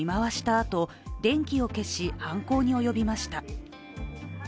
あと電気を消し、犯行に及びました。